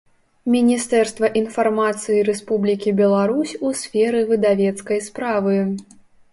Мiнiстэрства iнфармацыi Рэспублiкi Беларусь у сферы выдавецкай справы.